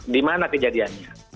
di mana kejadiannya